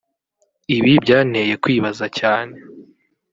Ibi byanteye kwibaza cyane